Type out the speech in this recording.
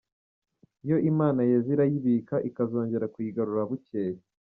Iyo imana yeze arayibika, akazongera kuyiragura bukeye.